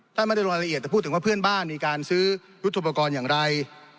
ไม่ได้รายละเอียดแต่พูดถึงว่าเพื่อนบ้านมีการซื้อยุทธุปกรณ์อย่างไร